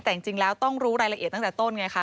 แต่จริงแล้วต้องรู้รายละเอียดตั้งแต่ต้นไงคะ